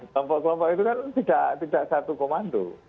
lompat lompat itu kan tidak satu komando